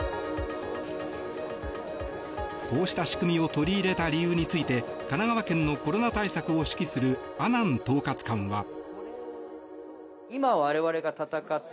こうした仕組みを取り入れた理由について神奈川県のコロナ対策を指揮する阿南統括官は。